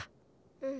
うん。